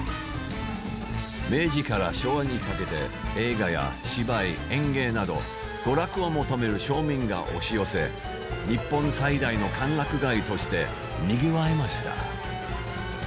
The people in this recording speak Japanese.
明治から昭和にかけて映画や芝居、演芸など娯楽を求める庶民が押し寄せ日本最大の歓楽街としてにぎわいました。